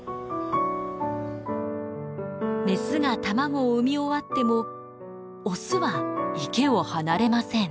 メスが卵を産み終わってもオスは池を離れません。